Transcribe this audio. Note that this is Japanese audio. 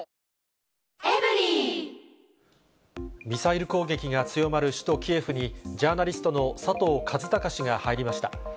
ミサイル攻撃が強まる首都キエフに、ジャーナリストの佐藤和孝氏が入りました。